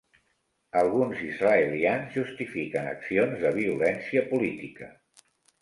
Alguns israelians justifiquen accions de violència política.